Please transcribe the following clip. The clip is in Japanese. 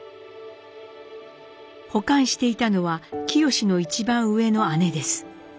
保管していたのは清の一番上の姉です。